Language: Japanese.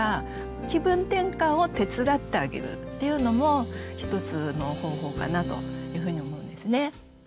気分転換を手伝ってあげるっていうのも一つの方法かなというふうに思うんですね。